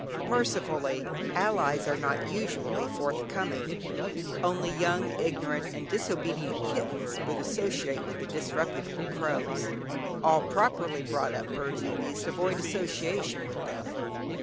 Mercifully, allies are not usually forthcoming; only young, ignorant, and disobedient kittens would associate with the disreputable crows; all properly brought up birds and beasts avoid association with them.